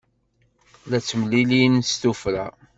La ttemlilin s tuffra.